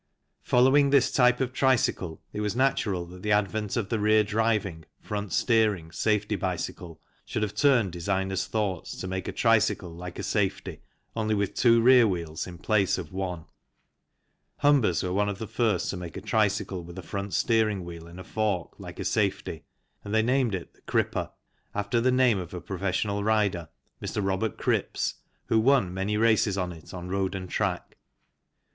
Following this type of tricycle it was natural that the advent of the rear driving, front steering safety bicycle should have turned designers' thoughts to make a tricycle like a safety, only with two rear wheels in place of one. Humbers were one of the first to make a tricycle with a front steering wheel in a fork like a safety, and they named it " The Cripper " after the name of a professional rider, Mr. Robert Cripps, who won many races on it on road and track.